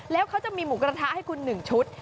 แล้วเขาจะมีหมูกระทะให้คุณ๑ชุด